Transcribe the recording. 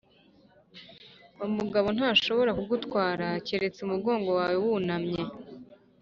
“umugabo ntashobora kugutwara keretse umugongo wawe wunamye.”